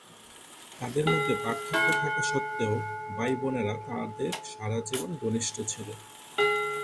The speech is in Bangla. তাদের মধ্যে পার্থক্য থাকা সত্ত্বেও, ভাইবোনেরা তাদের সারা জীবন ঘনিষ্ঠ ছিল।